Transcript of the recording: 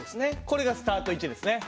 これがスタート位置ですね。